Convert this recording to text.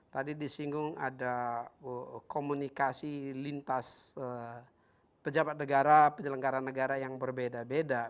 tadi disinggung ada komunikasi lintas pejabat negara penyelenggara negara yang berbeda beda